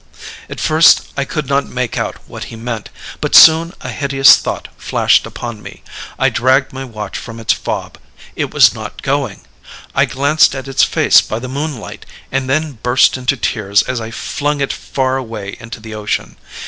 "At first I could not make out what he meant; but soon a hideous thought flashed upon me. I dragged my watch from its fob. It was not going. I glanced at its face by the moonlight, and then burst into tears as I flung it far away into the ocean.